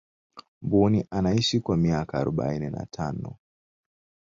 mbuni anaishi kwa miaka arobaini na tano